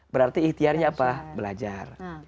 berarti ihtiarnya apa belajar